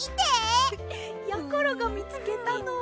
やころがみつけたのは。